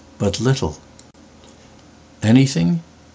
"But little.""Anything?